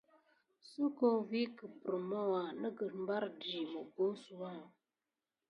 Soko vikeppremk màwuà nəgət mbardi mubosuwa.